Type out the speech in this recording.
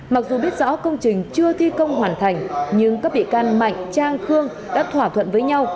mặc dù biết rõ công trình chưa thi công hoàn thành nhưng các bị can mạnh trang khương đã thỏa thuận với nhau